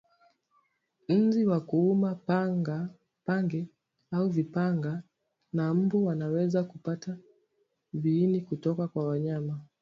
Nzi wa kuuma pange au vipanga na mbu wanaweza kupata viini kutoka kwa mnyama